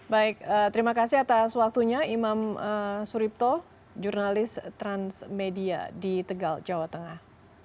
baik terima kasih atas waktunya imam suripto jurnalis transmedia di tegal jawa tengah